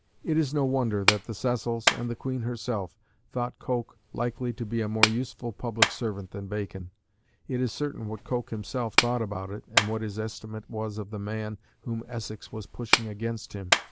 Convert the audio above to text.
It is no wonder that the Cecils, and the Queen herself, thought Coke likely to be a more useful public servant than Bacon: it is certain what Coke himself thought about it, and what his estimate was of the man whom Essex was pushing against him.